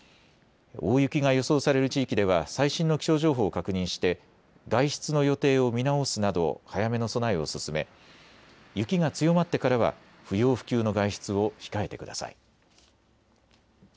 大雪が予想される地域では最新の気象情報を確認して外出の予定を見直すなど早めの備えを進め雪が強まってからは不要不急の外出を控えてください。